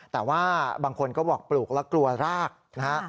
แต่ว่าบางคนก็บอกปลูกแล้วกลัวรากนะฮะ